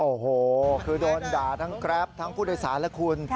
โอ้โหคือโดนด่าทั้งแกรปทั้งผู้โดยสารและคุณ